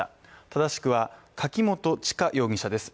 正しくは、柿本知香容疑者です。